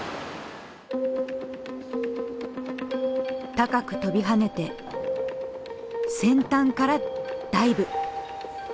高く跳びはねて先端からダイブ！